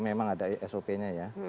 memang ada sop nya ya